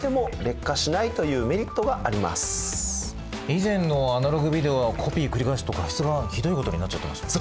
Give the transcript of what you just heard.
以前のアナログビデオはコピー繰り返すと画質がひどいことになっちゃってましたもんね。